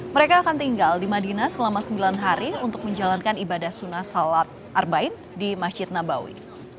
mereka akan tinggal di madinah selama sembilan hari untuk menjalankan ibadah sunnah salat arbaib di masjid nabawi